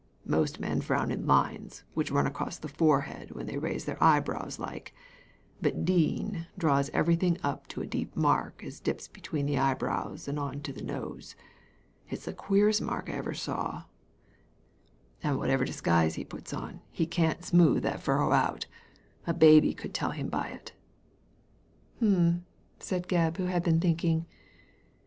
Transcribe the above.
Most men frown in lines which run across the forehead when they raise their eyebrows like ; but Dean draws everything up to a deep mark as dips just between the eyebrows and on to the nose. It's the queerest mark I ever saw ; and whatever disguise he puts on Digitized by Google 198 THE LADY FROM NOWHERE he can't smooth that furrow out. A baby could tell him by it" " Hum !" said Gebb, who had been thinking.